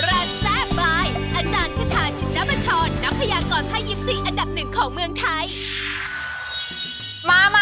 อาจารย์ขนาดหนึ่งของเมืองไทย